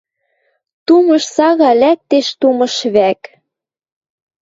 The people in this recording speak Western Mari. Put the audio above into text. Тумыш сага лӓктеш тумыш вӓк.